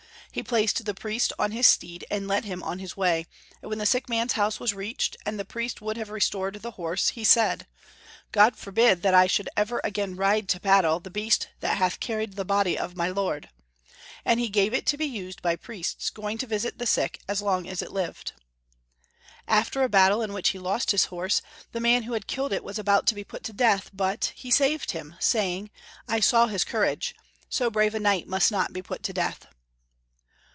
He placed the priest on his steed and led him on his way, and when the sick man's house was reached, 196 Young Folks* History of Germany. and the priest would have restored the horse, he said, " God forbid that I should ever again ride to battle the beast that hath carried the Body of my Lord," and he gave it to be used by priests going to visit the sick as long as it lived. After a battle in which he lost his horse, the man who had killed it was about to be put to death but, he saved him, saying, "I saw his courage. So brave a knight must not be put to death."